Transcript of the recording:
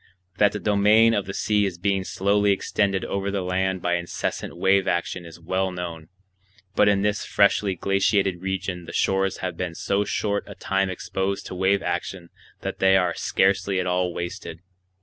That the domain of the sea is being slowly extended over the land by incessant wave action is well known; but in this freshly glaciated region the shores have been so short a time exposed to wave action that they are scarcely at all wasted.